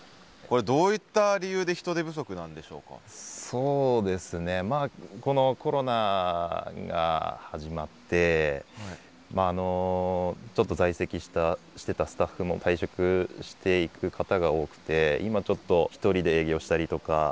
そうですねまあこのコロナが始まってちょっと在籍してたスタッフも退職していく方が多くて今ちょっと１人で営業したりとか。